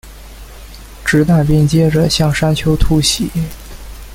掷弹兵接着向山丘突袭。